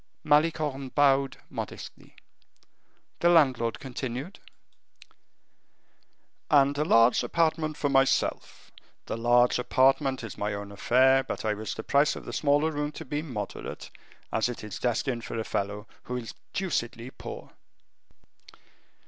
Malicorne bowed modestly. The landlord continued: "'And a large apartment for myself. The large apartment is my own affair, but I wish the price of the smaller room to be moderate, as it is destined for a fellow who is deucedly poor.